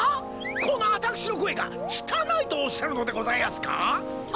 このアタクシの声が汚いとおっしゃるのでございやすかあ？